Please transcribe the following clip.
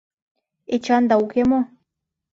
Эчанда уке мо?